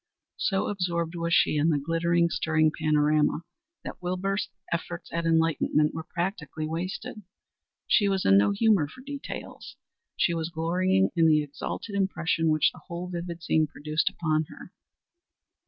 So absorbed was she in the glittering, stirring panorama that Wilbur's efforts at enlightenment were practically wasted. She was in no humor for details; she was glorying in the exalted impression which the whole vivid scene produced upon her.